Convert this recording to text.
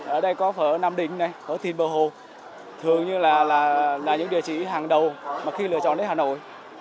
ở đây có phở nam đình phở thìn bờ hồ thường như là những địa chỉ hàng đầu mà khi lựa chọn đến hà nội